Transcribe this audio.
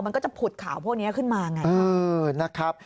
มันก็จะผุดข่าวพวกนี้ขึ้นมาไง